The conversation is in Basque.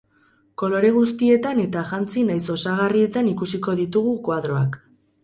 Kolore guztietan eta jantzi nahiz osagarrietan ikusiko ditugu koadroak.